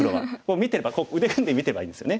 見てれば腕組んで見てればいいんですよね。